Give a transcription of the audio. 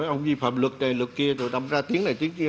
ông vi phạm luật này luật kia rồi đâm ra tiếng này tiếng kia